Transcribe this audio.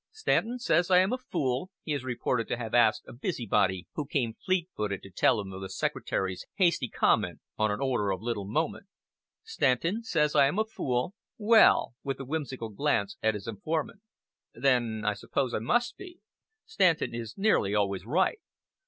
"Stanton says I am a fool?" he is reported to have asked a busy body who came fleet footed to tell him of the Secretary's hasty comment on an order of little moment. "Stanton says I am a fool? Well" with a whimsical glance at his informant "then I suppose I must be. Stanton is nearly always right."